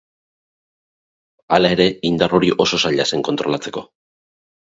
Hala ere indar hori oso zaila zen kontrolatzeko.